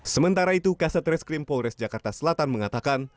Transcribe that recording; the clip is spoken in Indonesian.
sementara itu kasat reskrim polres jakarta selatan mengatakan